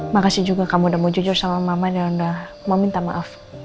makasih juga kamu udah mau jujur sama mama dan udah mau minta maaf